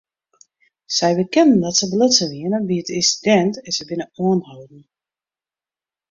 Sy bekenden dat se belutsen wiene by it ynsidint en se binne oanholden.